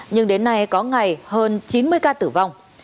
nhưng đến nay có ngày hơn chín mươi ca tử vong